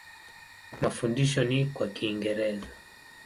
Mafundisho ni kwa Kiingereza.